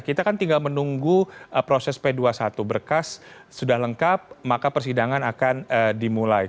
kita kan tinggal menunggu proses p dua puluh satu berkas sudah lengkap maka persidangan akan dimulai